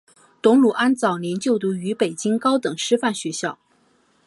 董鲁安早年就读于北京高等师范学校。